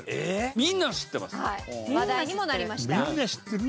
みんな知ってる？